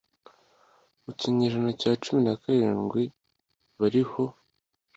mu kinyejana cya cumi na karindwi bariho